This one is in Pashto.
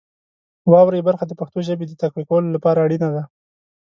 واورئ برخه د پښتو ژبې د تقویه کولو لپاره اړینه ده.